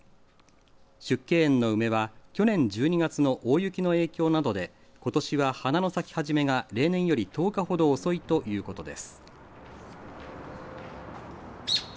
縮景園の梅は去年１２月の大雪の影響などでことしは花の咲き始めが例年より１０日ほど遅いということです。